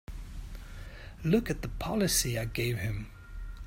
Look at the policy I gave him!